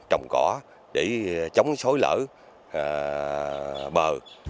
trồng cỏ để chống xối lở bờ